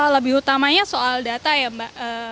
lebih utamanya soal data ya mbak